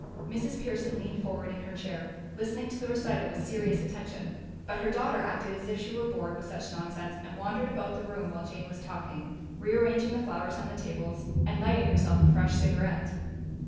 Mrs. Pearson leaned forward in her chair, listening to the recital with serious attention, but her daughter acted as if she were bored with such nonsense and wandered about the room while Jane was talking, rearranging the flowers on the tables and lighting herself a fresh cigarette.